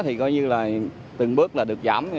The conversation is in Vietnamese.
thì coi như là từng bước là được giảm